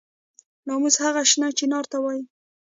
ناموس هغه شنه چنار ته وایي.